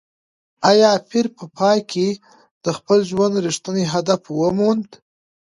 ایا پییر په پای کې د خپل ژوند رښتینی هدف وموند؟